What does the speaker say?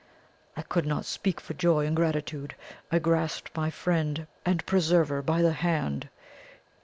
"I could not speak for joy and gratitude; I grasped my friend and preserver by the hand.